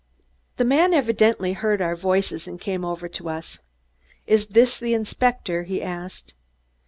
The man evidently heard our voices, and came over to us. "Is this the inspector?" he asked.